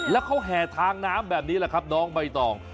แล้วเขาแห่ทางน้ำแบบนี้แหละครับน้องใบตอง